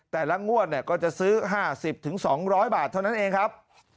แต่ละงวดก็จะซื้อ๕๐๒๐๐บาทเท่านั้นเองครับ